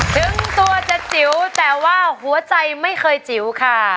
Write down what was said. ถึงตัวจะจิ๋วแต่ว่าหัวใจไม่เคยจิ๋วค่ะ